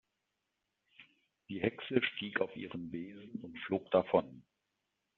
Die Hexe stieg auf ihren Besen und flog davon.